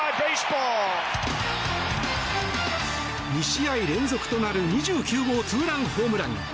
２試合連続となる２９号ツーランホームラン。